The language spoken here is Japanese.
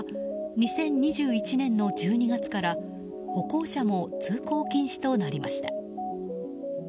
２０２１年の１２月から歩行者も通行禁止となりました。